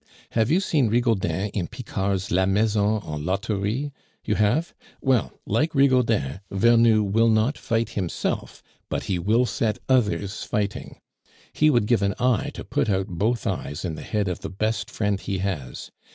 Have you seen Rigaudin in Picard's La Maison en Loterie? You have? Well, like Rigaudin, Vernou will not fight himself, but he will set others fighting; he would give an eye to put out both eyes in the head of the best friend he has.